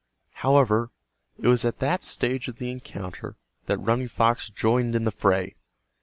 However, it was at that stage of the encounter that Running Fox joined in the fray.